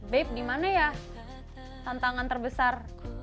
bebe di mana ya tantangan terbesar